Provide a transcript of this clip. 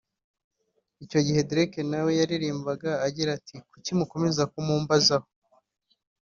Icyo gihe Drake na we yaririmbaga agira ati “Kuki mukomeza kumumbazaho